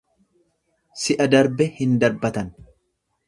Si'a darbe hin darbatan.